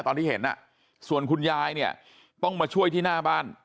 ตอนที่เห็นส่วนคุณยายเนี่ยต้องมาช่วยที่หน้าบ้าน